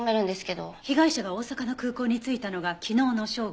被害者が大阪の空港に着いたのが昨日の正午。